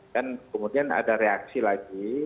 kemudian ada reaksi lagi